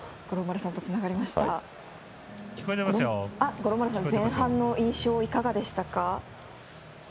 五郎丸さん、前半の印象はいかがでしたか？